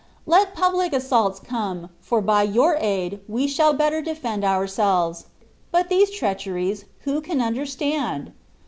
Let pubhc assaults come, for by Your aid we shall better defend ourselves; but these treacheries who can understand